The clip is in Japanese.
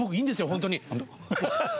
本当に。